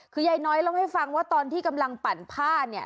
คือยายน้อยเล่าให้ฟังว่าตอนที่กำลังปั่นผ้าเนี่ย